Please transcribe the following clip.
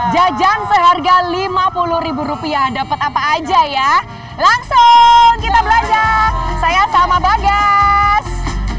jajan seharga lima puluh rupiah dapat apa aja ya langsung kita belajar saya salma bagas